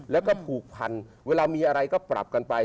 แล้วก็ผูกพันเวลามีอะไรก็ปรับกันไป